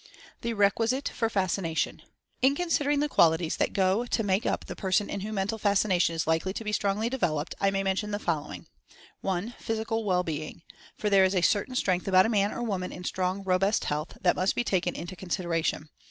THE REQUISITE FOR FASCINATION. In considering the qualities that go to make up the person in whom Mental Fascination is likely to be strongly developed, I may mention the following : (1) Physical Well Being; for there is a certain strength about a man or woman in strong, robust health, that must be taken into consideration.